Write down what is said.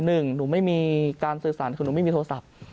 หนูไม่มีการสื่อสารคือหนูไม่มีโทรศัพท์